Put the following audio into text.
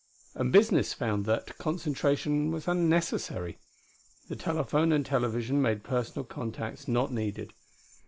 And business found that concentration was unnecessary. The telephone and television made personal contacts not needed.